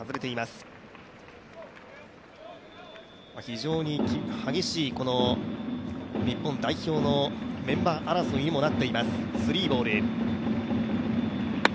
非常に激しい日本代表のメンバー争いにもなっています。